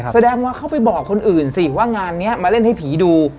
แสดงว่าเขาไปบอกคนอื่นสิว่างานนี้มาเล่นให้ผีดู